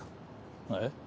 えっ？